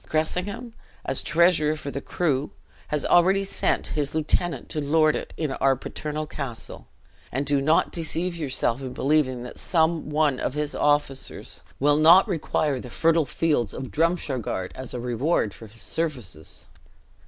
Cressingham, as treasurer for the crew, has already sent his lieutenant to lord it in our paternal castle; and do not deceive yourself in believing that some one of his officers will not require the fertile fields of Drumshargard as a reward for his services!